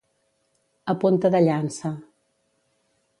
A punta de llança.